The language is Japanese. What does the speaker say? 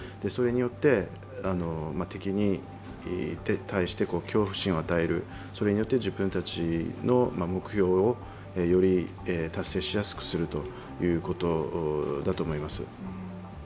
それによって敵に対して恐怖心を与える、それによって自分たちの目標をより達成しやすくするということだと思います。